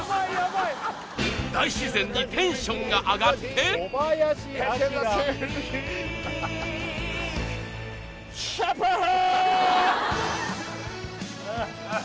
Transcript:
大自然にテンションが上がってあっあ